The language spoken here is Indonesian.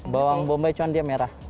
bawang bombay candia merah